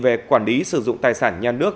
về quản lý sử dụng tài sản nhà nước